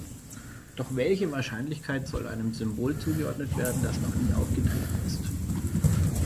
Doch welche Wahrscheinlichkeit soll einem Symbol zugeordnet werden, das noch nie aufgetreten ist?